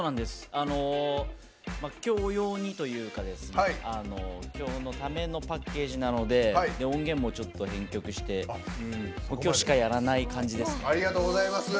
きょう用にというかきょうのためのパッケージなので音源もちょっと編曲して教師かやらない感じですね。